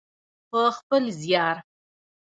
په خپل زیار.